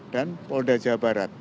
dan polda jawa barat